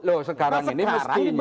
loh sekarang ini mestinya